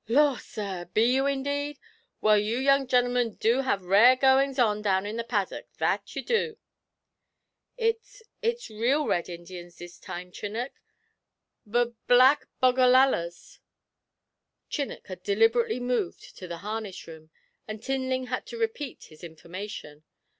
'Lor', sir, be you indeed? Well, you young genl'men du have rare goings on down in the paddock, that you du.' 'It's it's real Red Indians this time, Chinnock B black Bogallalas!' Chinnock had deliberately moved to the harness room, and Tinling had to repeat his information.